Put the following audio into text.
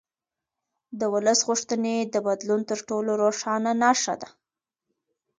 د ولس غوښتنې د بدلون تر ټولو روښانه نښه ده